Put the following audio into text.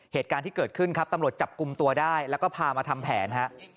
เหตุการณ์ที่เกิดขึ้นครับตำรวจจับกลุ่มตัวได้แล้วก็พามาทำแผนฮะ